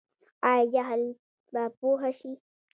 آیا جهل به پوهه شي؟